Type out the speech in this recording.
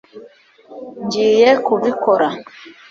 ngiye kubikora